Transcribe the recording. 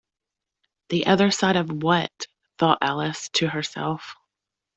The other side of what?’ thought Alice to herself.